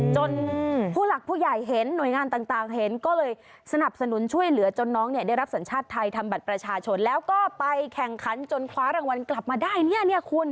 ผู้หลักผู้ใหญ่เห็นหน่วยงานต่างเห็นก็เลยสนับสนุนช่วยเหลือจนน้องเนี่ยได้รับสัญชาติไทยทำบัตรประชาชนแล้วก็ไปแข่งขันจนคว้ารางวัลกลับมาได้เนี่ยคุณ